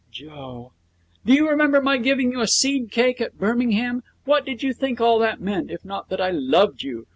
'Joe!' 'Do you remember my giving you a seed cake at Birmingham? What did you think all that meant, if not that I loved you?